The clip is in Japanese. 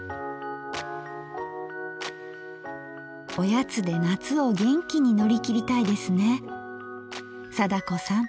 おやつで夏を元気に乗り切りたいですね貞子さん！